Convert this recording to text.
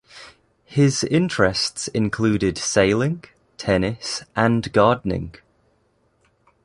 His interests included sailing, tennis and gardening.